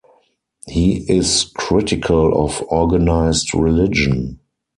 He is critical of organized religion.